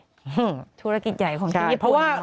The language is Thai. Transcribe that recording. ฮึธุรกิจใหญ่ของที่ญี่ปุ่นเนอะ